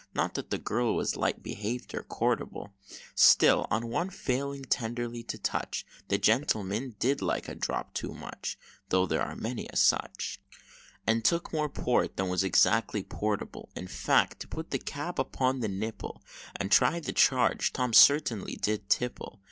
Not that the girl was light behaved or courtable Still on one failing tenderly to touch, The Gentleman did like a drop too much, (Tho' there are many such) And took more Port than was exactly portable. In fact, to put the cap upon the nipple, And try the charge, Tom certainly did tipple.